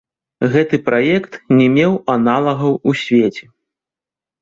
Гэты праект не меў аналагаў у свеце.